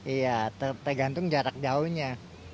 iya tergantung jarak jauhnya